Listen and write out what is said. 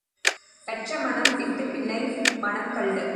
பெற்ற மனம் பித்து, பிள்ளை மனம் கல்லு.